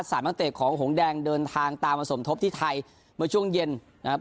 นักเตะของหงแดงเดินทางตามมาสมทบที่ไทยเมื่อช่วงเย็นนะครับ